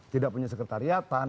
tidak punya sekretariatan